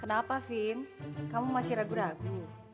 kenapa vin kamu masih ragu ragu